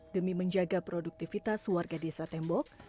demi menjaga produktivitas warga desa tembok